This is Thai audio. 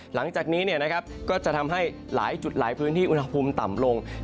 หลังจากนี้ก็จะทำให้หลายจุดหลายพื้นที่อุณหภูมิต่ำลง